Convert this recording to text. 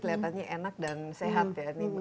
kelihatannya enak dan sehat ya